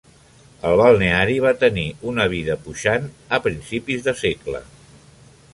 El balneari va tenir una vida puixant a principis de segle.